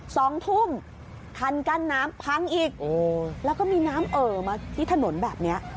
สองทุ่มคันกั้นน้ำพังอีกโอ้แล้วก็มีน้ำเอ่อมาที่ถนนแบบเนี้ย